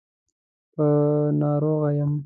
په ناروغه يم.